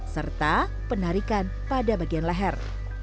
serta penarikan pada bagian leher